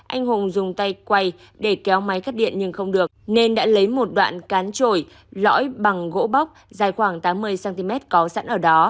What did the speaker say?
anh hùng dùng tay quay để kéo máy cắt điện nhưng không được nên đã lấy một đoạn cán trổi lõi bằng gỗ bóc dài khoảng tám mươi cm có sẵn ở đó